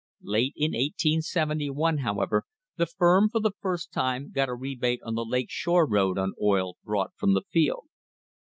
Late in 1871, however, the firm for the first time got a rebate on the Lake Shore road on oil brought from the field.